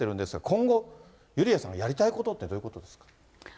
今後、ユリアさんがやりたいことってどういうことですか？